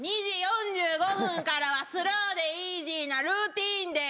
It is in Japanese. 『２時４５分からはスローでイージーなルーティーンで』です。